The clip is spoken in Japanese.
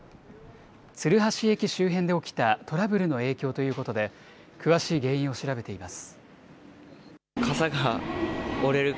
鶴橋駅周辺で起きたトラブルの影響ということで、詳しい原因を調べています。